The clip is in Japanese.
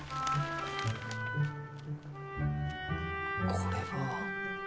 これは。